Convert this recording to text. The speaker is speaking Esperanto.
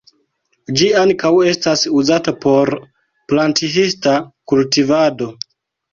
Ĝi ankaŭ estas uzata por planthista kultivado.